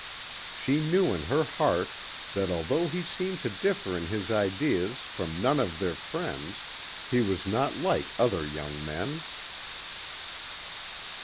She knew in her heart that although he seemed to differ in his ideas from none of their friends, he was not like other young men.